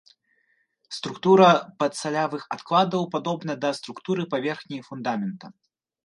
Структура падсалявых адкладаў падобна да структуры паверхні фундамента.